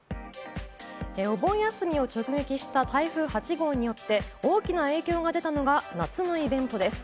お盆休みを直撃した台風８号によって大きな影響が出たのが夏のイベントです。